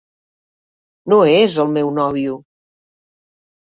No és el meu nòvio.